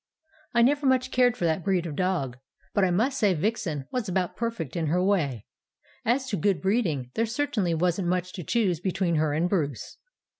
"I never much cared for that breed of dog, but I must say Vixen was about perfect in her way. As to good breeding, there certainly wasn't much to choose between her and Bruce.